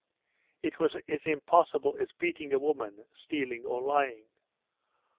It was as impossible as beating a woman, stealing, or lying.